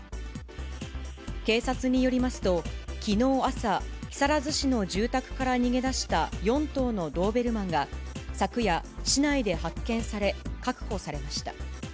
警察によりますと、きのう朝、木更津市の住宅から逃げ出した４頭のドーベルマンが、昨夜、市内で発見され、確保されました。